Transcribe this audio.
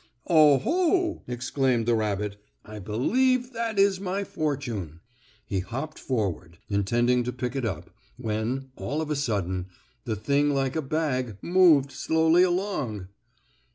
"Oh, ho!" exclaimed the rabbit, "I believe that is my fortune." He hopped forward, intending to pick it up, when, all of a sudden, the thing like a bag moved slowly along.